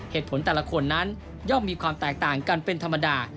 แต่ละคนนั้นย่อมมีความแตกต่างกันเป็นธรรมดา